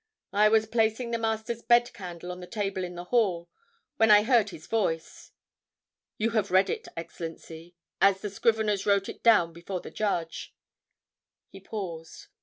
I was placing the Master's bed candle on the table in the hall, when I heard his voice.... You have read it, Excellency, as the scriveners wrote it down before the judge." He paused.